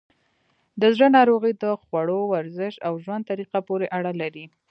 د زړه ناروغۍ د خوړو، ورزش، او ژوند طریقه پورې اړه لري.